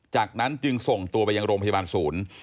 จากนั้นจึงส่งตัวไปยังโรงพยาบาลศูนย์